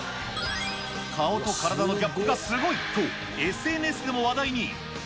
顔と体のギャップがすごいと、ＳＮＳでも話題に。